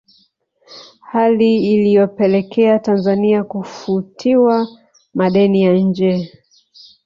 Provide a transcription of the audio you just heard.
Hali iliyopelekea Tanzania kufutiwa madeni ya nje